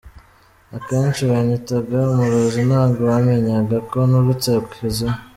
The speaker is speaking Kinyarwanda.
Akenshi banyitaga umurozi ntago bamenyaga ko nturutse ikuzimu.